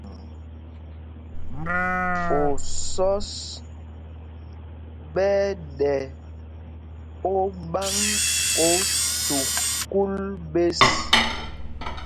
Osɔ́s ɓɛ́ ɛ́ ɗɛ óɓáŋ ō sukûl ɓěs.